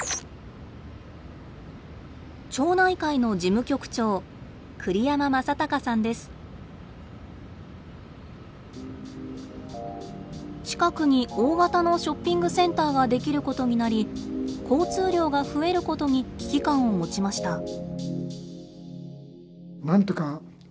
町内会の事務局長近くに大型のショッピングセンターができることになり交通量が増えることに危機感を持ちました。